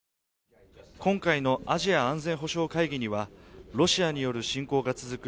今回のアジア安全保障会議にはロシアによる侵攻が続く